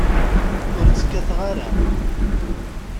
Ur tt-kkateɣ ara.